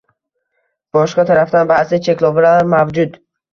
Boshqa tarafdan, ba’zi cheklovlar mavjud.